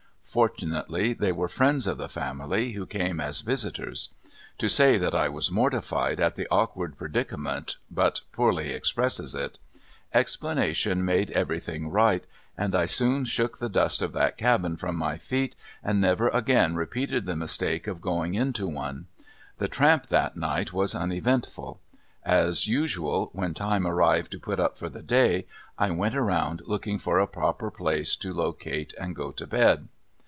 Fortunately they were friends of the family, who came as visitors. To say that I was mortified at the awkward predicament, but poorly expresses it. Explanation made everything right, and I soon shook the dust of that cabin from my feet, and never again repeated the mistake of going into one. The tramp that night was uneventful. As usual, when time arrived to put up for the day I went around looking for a proper place to locate and go to bed.